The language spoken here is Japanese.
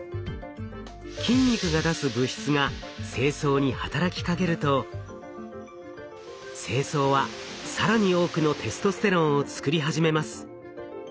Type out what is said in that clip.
筋肉が出す物質が精巣に働きかけると精巣は更に多くのテストステロンを作り始めます。